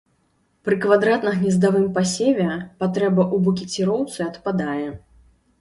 Пры квадратна-гнездавым пасеве патрэба ў букеціроўцы адпадае.